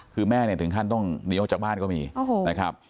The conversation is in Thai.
คือแม่เนี่ยถึงขั้นต้องเลี้ยวจากบ้านก็มีนะครับ